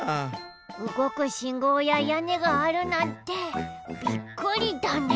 うごくしんごうややねがあるなんてびっくりだね。